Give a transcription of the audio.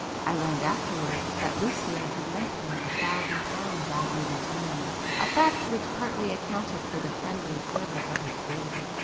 (I learned afterwards that Lucio had lent him a thousand pounds on easy terms, a fact which partly accounted for the friendly fervour of his greeting.)